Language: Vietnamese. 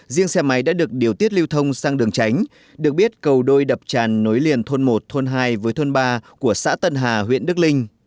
riêng xe máy đã được điều tiết lưu thông sang đường tránh được biết cầu đôi đập tràn nối liền thôn một thôn hai với thôn ba của xã tân hà huyện đức linh